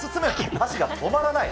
箸が止まらない。